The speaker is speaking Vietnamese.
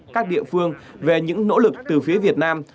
các địa phương về những nỗ lực từ phía việt nam